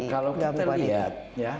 kalau kita lihat